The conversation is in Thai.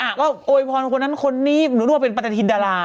ก็โอ้ยพรคนนั้นคนนี้หรือลูกเป็นประตาธิดดารา